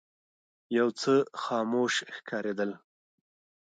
یو څه خاموش ښکارېدل.